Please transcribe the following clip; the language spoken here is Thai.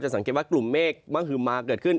สังเกตว่ากลุ่มเมฆมังฮึมมาเกิดขึ้น